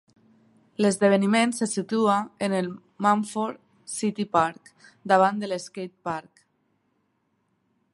L'esdeveniment se situa en el Munford City Park, davant del "skate park".